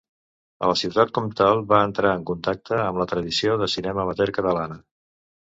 A la Ciutat Comtal va entrar en contacte amb la tradició de cinema amateur catalana.